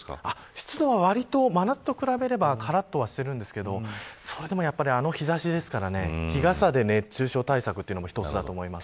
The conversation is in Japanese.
湿度は真夏と比べればからっとしているんですけれどそれでもあの日差しですから日傘で熱中症対策も一つだと思います。